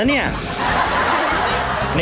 โอ้โหโอ้โหโอ้โห